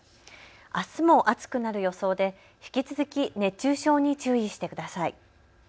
あすも暑くなる予想で引き続き熱中症に注意してください。